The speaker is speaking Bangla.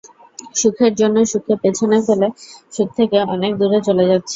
সুখের জন্য, সুখকে পেছনে ফেলে, সুখ থেকে অনেক দূরে চলে গেছি।